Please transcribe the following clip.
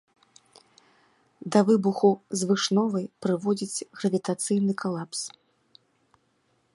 Да выбуху звышновай прыводзіць гравітацыйны калапс.